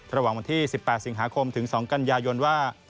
ระหว่างวันที่๑๘สิงหาคมถึง๒กันยายนว่า